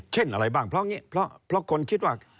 เช่นอะไรบ้างเพราะคนคิดว่า